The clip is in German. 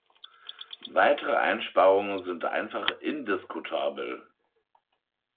Weitere Einsparungen sind einfach indiskutabel.